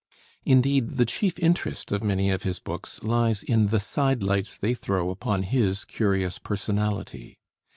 Indeed, the chief interest of many of his books lies in the side lights they throw upon his curious personality.